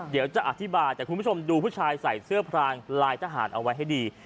เดี๋ยวจะอธิบายแต่คุณผู้ชมดูผู้ชายใส่เสื้อพรางลายทหารเอาไว้ให้ดี